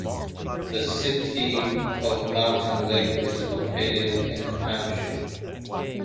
The city of Mountain Lake is located in the township.